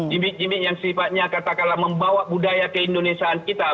gimmick gimmick yang sifatnya katakanlah membawa budaya keindonesiaan kita